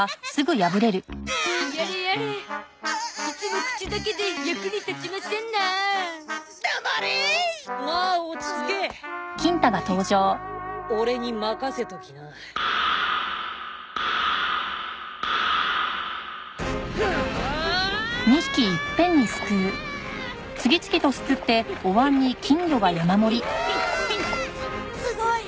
すすごい！